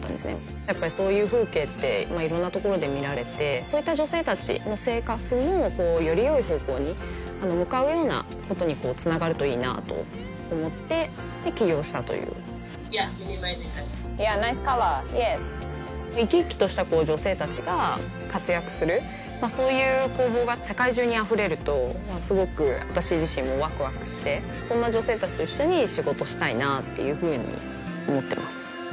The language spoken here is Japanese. やっぱりそういう風景っていろんなところで見られてそういった女性達の生活もよりよい方向に向かうようなことにつながるといいなと思ってで起業したという生き生きとした女性達が活躍するそういう工房が世界中にあふれるとすごく私自身もワクワクしてそんな女性達と一緒に仕事したいなっていうふうに思ってます